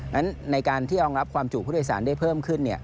นั้นในการที่รองรับความจุผู้โดยสารได้เพิ่มขึ้น